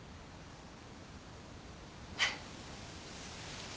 フッ。